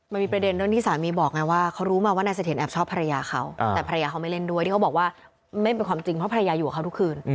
มันมีประเด็นเรื่องที่สามีบอกไงว่าเขารู้มาว่านายเสถียรแอบชอบภรรยาเขาแต่ภรรยาเขาไม่เล่นด้วยที่เขาบอกว่าไม่เป็นความจริงเพราะภรรยาอยู่กับเขาทุกคืน